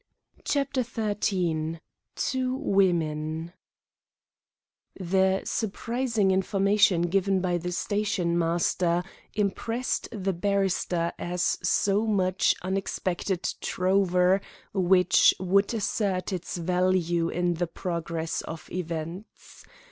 CHAPTER XIII TWO WOMEN The surprising information given by the stationmaster impressed the barrister as so much unexpected trover which would assert its value in the progress of events.